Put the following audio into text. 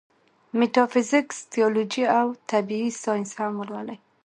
ميټافزکس ، تيالوجي او طبعي سائنس هم ولولي